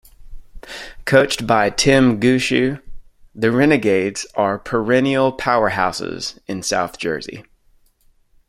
Coached by Tim Gushue, the Renegades are perennial powerhouses in South Jersey.